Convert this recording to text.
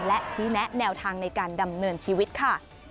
และชี้แนะแนวทางในการดำเนินชีวิตค่ะ